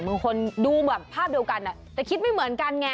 บางคนดูแบบภาพเดียวกันแต่คิดไม่เหมือนกันไง